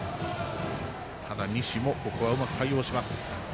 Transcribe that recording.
ただ、西もここはうまく対応します。